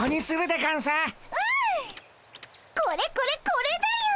これこれこれだよ！